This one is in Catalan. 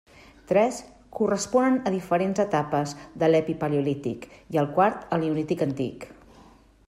Tres corresponen a diferents etapes de l’Epipaleolític i el quart al Neolític antic.